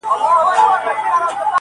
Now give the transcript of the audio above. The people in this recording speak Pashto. مُلا په ولاحول زموږ له کوره وو شړلی-